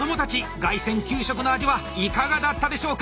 凱旋給食の味はいかがだったでしょうか！